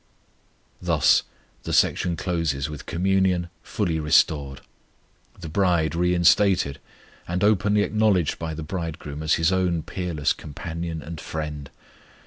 Thus the section closes with communion fully restored; the bride reinstated and openly acknowledged by the Bridegroom as His own peerless companion and friend.